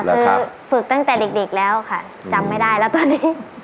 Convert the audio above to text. คือฝึกตั้งแต่เด็กแล้วค่ะจำไม่ได้แล้วตอนนี้